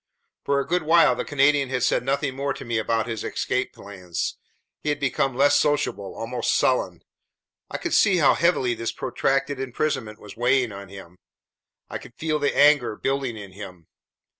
For a good while the Canadian had said nothing more to me about his escape plans. He had become less sociable, almost sullen. I could see how heavily this protracted imprisonment was weighing on him. I could feel the anger building in him.